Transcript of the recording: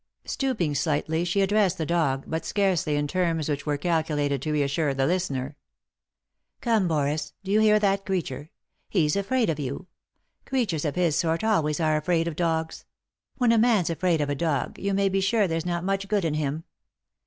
Stooping slightly she addressed the dog, but scarcely in terms which were calculated to reassure the listener. " Come, Boris— you hear that creature ? He's afraid of you. Creatures of his sort always are afraid of dogs ; when a man's afraid of a dog you may be sure there's not much good in him.